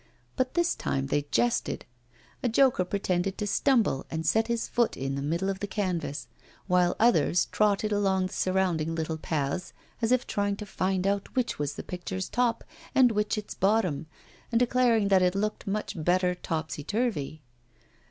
But this time they jested. A joker pretended to stumble and set his foot in the middle of the canvas, while others trotted along the surrounding little paths, as if trying to find out which was the picture's top and which its bottom, and declaring that it looked much better topsy turvy.